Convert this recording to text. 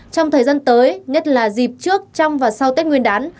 trong thời gian tới nhất là dịp trước trong và sau tết nguyên đán